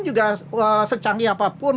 juga secanggih apapun